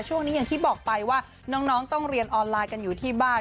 อย่างที่บอกไปว่าน้องต้องเรียนออนไลน์กันอยู่ที่บ้าน